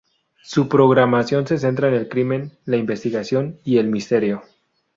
Su programación se centra en el crimen, la investigación y el misterio.